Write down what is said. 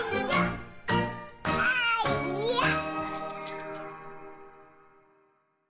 あいやっ！